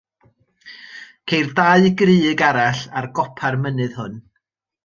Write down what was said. Ceir dau grug arall ar gopa'r mynydd hwn.